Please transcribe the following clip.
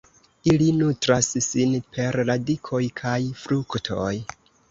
Ili nutras sin per radikoj kaj fruktoj.